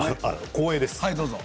光栄です。